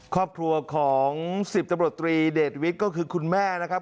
ครอบครัวของ๑๐ตำรวจตรีเดชวิทย์ก็คือคุณแม่นะครับ